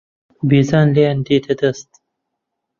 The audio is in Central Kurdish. بێجان لێیان دێتە دەست